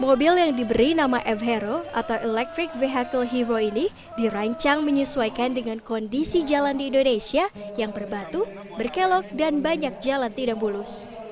mobil yang diberi nama f hero atau electric vehicle hero ini dirancang menyesuaikan dengan kondisi jalan di indonesia yang berbatu berkelok dan banyak jalan tidak bulus